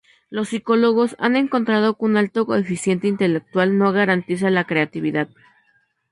Los psicólogos han encontrado que un alto coeficiente intelectual no garantiza la creatividad.